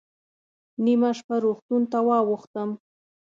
نیمه شپه روغتون ته واوښتم.